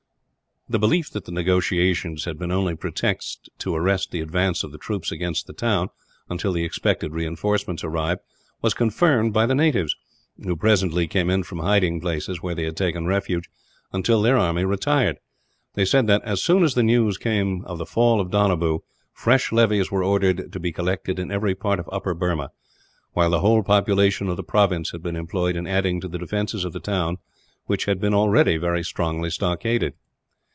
The belief that the negotiations had been only pretexts to arrest the advance of the troops against the town, until the expected reinforcements arrived, was confirmed by the natives; who presently came in from hiding places where they had taken refuge, until their army retired. They said that, as soon as the news came of the fall of Donabew, fresh levies were ordered to be collected in every part of Upper Burma; while the whole population of the province had been employed in adding to the defences of the town, which had been already very strongly stockaded.